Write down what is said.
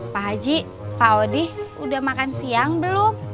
pak haji pak audi udah makan siang belum